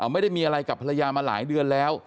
ไม่ได้มีอะไรกับภรรยามาหลายเดือนแล้ว